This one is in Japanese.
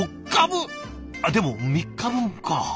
あっでも３日分か。